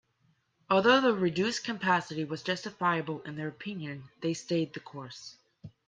Although the reduced capacity was justifiable in their opinion, they stayed the course.